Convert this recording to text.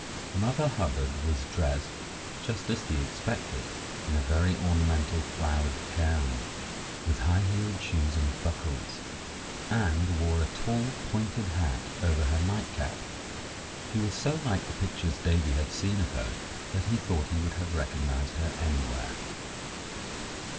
Mother Hubbard was dressed, just as he expected, in a very ornamental flowered gown, with high heeled shoes and buckles, and wore a tall pointed hat over her nightcap. She was so like the pictures Davy had seen of her that he thought he would have recognized her anywhere.